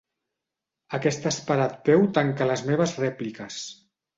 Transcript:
Aquest esperat peu tanca les meves rèpliques.